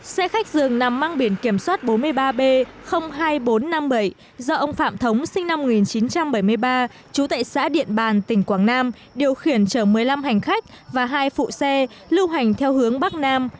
xe khách dường nằm mang biển kiểm soát bốn mươi ba b hai nghìn bốn trăm năm mươi bảy do ông phạm thống sinh năm một nghìn chín trăm bảy mươi ba trú tại xã điện bàn tỉnh quảng nam điều khiển chở một mươi năm hành khách và hai phụ xe lưu hành theo hướng bắc nam